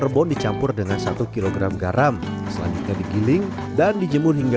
rebun dicampur dengan satu kilogram garam selanjutnya dikiling dan dijemur hingga